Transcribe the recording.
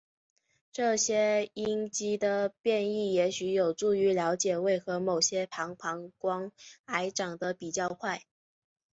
这些因基的变异也许有助于了解为何某些膀膀胱癌长得比较快。